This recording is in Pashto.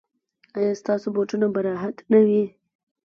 ایا ستاسو بوټونه به راحت نه وي؟